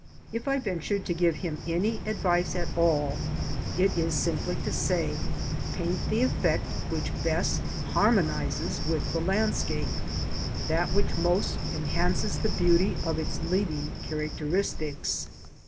If I ventured to give him any advice at all, it is simply to say, paint the effect which best harmonises with the landscape — that which most enhances the beauty of its leading characteristics.